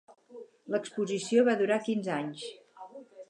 L'exposició va durar quinze anys.